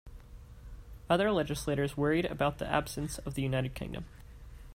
Other legislators worried about the absence of the United Kingdom.